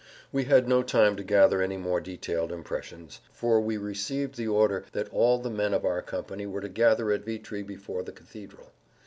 We had no time to gather any more detailed impressions, for we received the order that all the men of our company were to gather at Vitry before the cathedral.